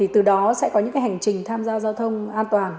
từ đó sẽ có những hành trình tham gia giao thông an toàn